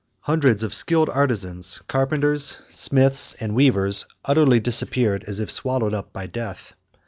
Hundreds of skilled artisans carpenters, smiths, and weavers utterly disappeared as if swallowed up by death.